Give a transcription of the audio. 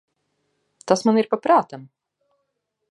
Tas man ir pa prātam.